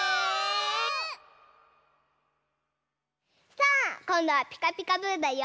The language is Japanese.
さあこんどは「ピカピカブ！」だよ！